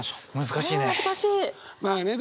難しいね。